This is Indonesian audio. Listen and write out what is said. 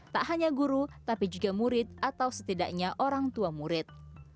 tak hanya guru tapi juga murid atau setidaknya orang tua murid